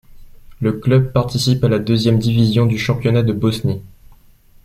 Le club participe à la deuxième division du championnat de Bosnie.